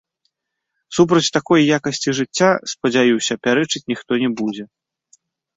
Супраць такой якасці жыцця, спадзяюся, пярэчыць ніхто не будзе.